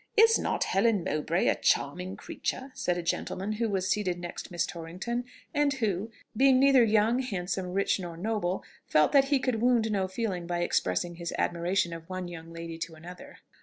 "Is not Helen Mowbray a charming creature!" said a gentleman who was seated next Miss Torrington, and who, being neither young, handsome, rich, nor noble, felt that he could wound no feelings by expressing his admiration of one young lady to another.